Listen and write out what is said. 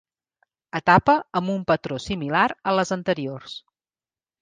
Etapa amb un patró similar a les anteriors.